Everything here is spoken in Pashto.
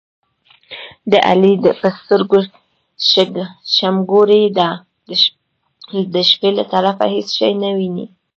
د علي په سترګو شمګوري ده، د شپې له طرفه هېڅ شی نه ویني.